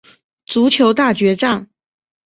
足球大决战！